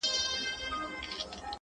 نیکه جانه د جانان غمو خراب کړم!.